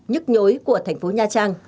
nhất nhối của thành phố nha trang